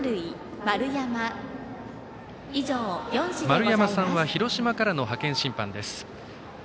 円山さんは広島からの派遣審判です。